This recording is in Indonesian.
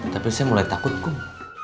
tapi saya mulai takut kok